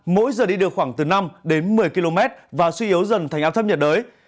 mỗi giờ đi được khoảng từ năm đến một mươi km và suy yếu dần thành áp thấp nhiệt đới